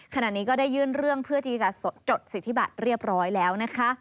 ขณะนี้ก็ได้ยื่นเรื่องเพื่อจริงจตรศจริปสิทธิบาทเรียบร้อยแล้ว